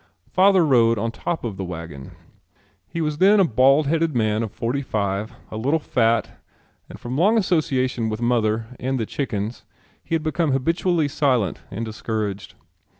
Father rode on top of the wagon. He was then a bald headed man of forty five, a little fat and from long association with mother and the chickens he had become habitually silent and discouraged.